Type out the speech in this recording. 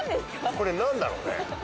これ何だろうね。